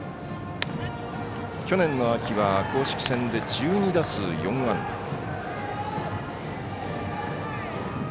去年の秋は公式戦で１２打数４安打。